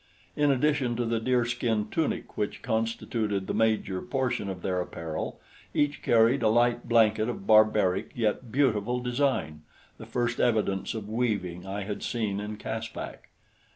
In addition to the deer skin tunic which constituted the major portion of their apparel, each carried a light blanket of barbaric yet beautiful design the first evidence of weaving I had seen in Caspak.